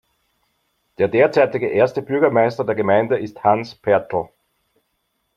Der derzeitige Erste Bürgermeister der Gemeinde ist Hans Pertl.